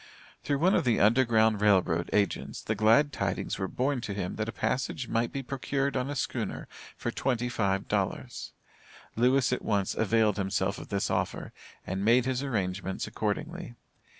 Through one of the Underground Rail Road Agents the glad tidings were borne to him that a passage might be procured on a schooner for twenty five dollars. Lewis at once availed himself of this offer, and made his arrangements accordingly.